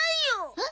えっ？